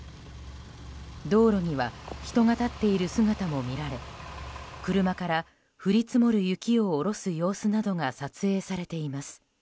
道路には人が立っている姿も見られ車から、降り積もる雪を下ろす様子などが撮影されています。